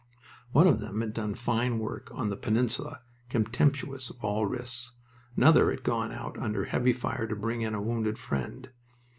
One of them had done fine work on the Peninsula, contemptuous of all risks. Another had gone out under heavy fire to bring in a wounded friend...